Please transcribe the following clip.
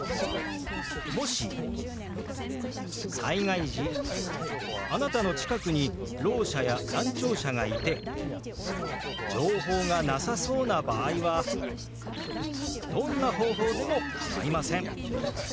もし災害時あなたの近くにろう者や難聴者がいて情報がなさそうな場合はどんな方法でも構いません